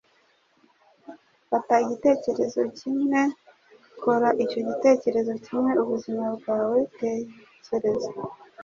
Fata igitekerezo kimwe. Kora icyo gitekerezo kimwe ubuzima bwawe - tekereza,